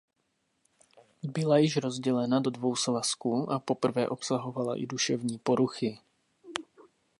Byla již rozdělena do dvou svazků a poprvé obsahovala i duševní poruchy.